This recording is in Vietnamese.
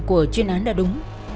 của chuyên án đã đúng